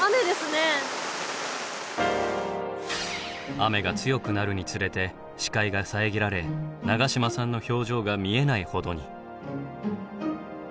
雨が強くなるにつれて視界が遮られ永島さんの表情が見えないほどに。